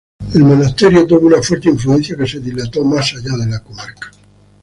El monasterio tuvo una fuerte influencia que se dilató más allá de la comarca.